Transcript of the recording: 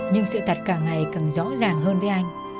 nhưng sự thật càng ngày càng rõ ràng hơn với anh